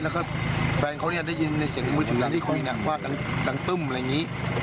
แล้วก็แฟนเขาเนี่ยได้ยินในเสียงมือถือหลังที่คุยหนักว่ากันดังตึ้มอะไรอย่างนี้